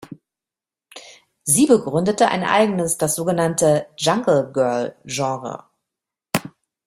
Sie begründete ein eigenes, das sogenannte „Jungle Girl“-Genre.